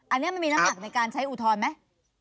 อันนี้มันมีน้ำหนักในการใช้อุทธรณ์ไหม